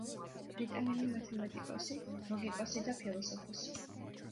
ბრიტანელი მათემატიკოსი, ლოგიკოსი და ფილოსოფოსი.